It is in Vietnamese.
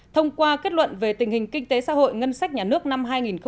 thông qua kết luận về tình hình kinh tế xã hội ngân sách nhà nước năm hai nghìn một mươi tám